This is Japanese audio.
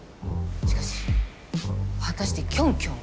しかし果たしてキョンキョンは。